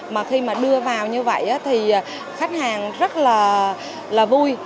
mà khi mà đưa vào như vậy thì khách hàng rất là vui